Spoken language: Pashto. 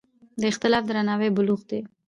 د اختلاف درناوی بلوغ دی